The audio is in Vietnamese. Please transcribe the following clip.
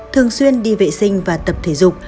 thường xuyên đi vệ sinh và tập thể dục